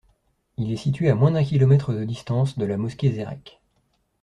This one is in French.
Il est situé à moins d'un kilomètre de distance de la mosquée Zeyrek.